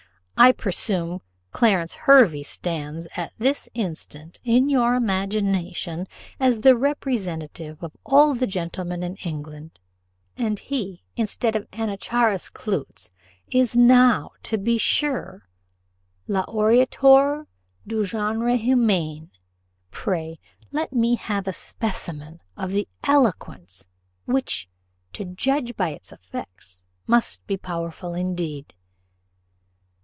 I presume Clarence Hervey stands at this instant, in your imagination, as the representative of all the gentlemen in England; and he, instead of Anacharsis Cloots, is now, to be sure, l'orateur du genre humain. Pray let me have a specimen of the eloquence, which, to judge by its effects, must be powerful indeed."